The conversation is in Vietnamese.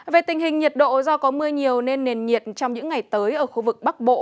về tình hình nhiệt độ do có mưa nhiều nên nền nhiệt trong những ngày tới ở khu vực bắc bộ